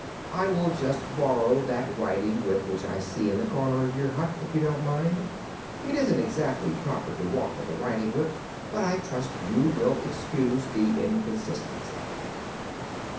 I will just borrow that riding whip, which I see in the corner of your hut, if you don't mind. It isn't exactly proper to walk with a riding whip, but I trust you will excuse the inconsistency."